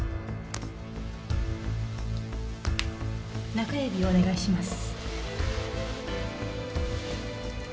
中指をお願いします。